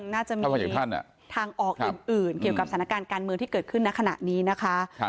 น่าจะมีท่านทางออกอื่นเกี่ยวกับสถานการณ์การเมืองที่เกิดขึ้นในขณะนี้นะคะ